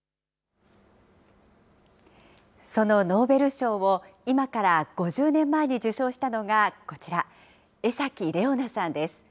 そのノーベル賞を今から５０年前に受賞したのが、こちら、江崎玲於奈さんです。